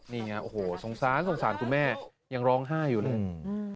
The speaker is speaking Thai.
นี่ไงโอ้โหสงสารสงสารคุณแม่ยังร้องไห้อยู่เลย